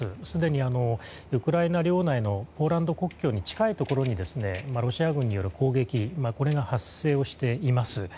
すでにウクライナ領内のポーランド国境の近いところにロシア軍による攻撃が発生しています。